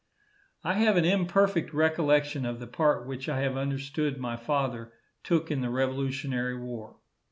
I have an imperfect recollection of the part which I have understood my father took in the revolutionary war.